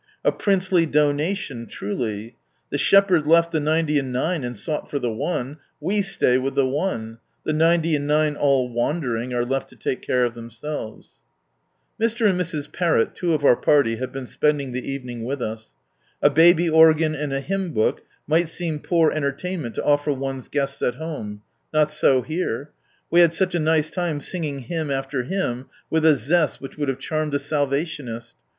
A princely donation truly ! The Shepherd left the ninety and nine, and sought for the one we stay with the one, — the ninety and nine, all wandering, are left to take care of themselves. Mr. and Mrs. Parrot, two of our party, have been spending the evening with us. A baby organ and a hymn book might seem poor entertainment to offer one's guests '^'"'"''"""''""• at home. Not so here ! We had such a nice time singing hymn after hymn with a zest which would have charmed a Salvationist.